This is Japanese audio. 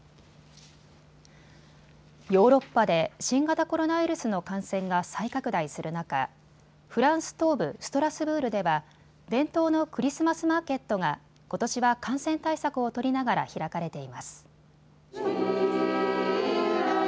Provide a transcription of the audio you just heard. ヨーロッパで新型コロナウイルスの感染が再拡大する中、フランス東部ストラスブールでは伝統のクリスマスマーケットがことしは感染対策を取りながら開かれています。